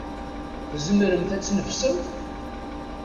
Tzemremt ad tneffsemt?